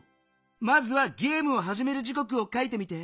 まずはゲームをはじめる時こくを書いてみて。